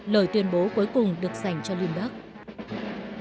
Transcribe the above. lời tuyên bố cuối cùng được dành cho lindbergh